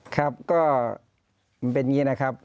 ครับก็เป็นอย่างนี้นะครับ